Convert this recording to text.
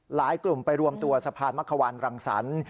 หลายกลุ่มไปรวมตัวสะพานมะควันรังสรรค์